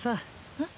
えっ？